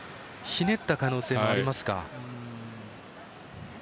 ひねった可能性もありますか。